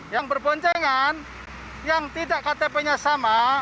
yang berboncengan yang tidak ktp nya sama